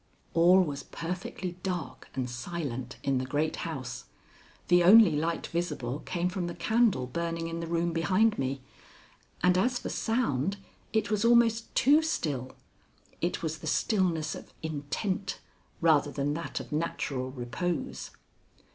All was perfectly dark and silent in the great house. The only light visible came from the candle burning in the room behind me, and as for sound, it was almost too still it was the stillness of intent rather than that of natural repose.